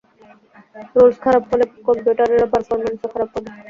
Rules খারাপ হলে কম্পিউটারের পারফম্যান্সও খারাপ হবে।